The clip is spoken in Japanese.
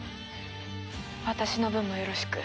私の分もよろしく。